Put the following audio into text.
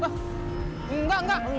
gak juga akan dirakuin